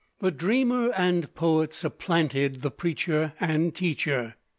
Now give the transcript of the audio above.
The dreamer and poet supplanted the preacher and teacher.